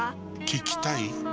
聞きたい？